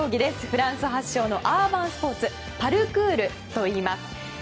フランス発祥のアーバンスポーツパルクールといいます。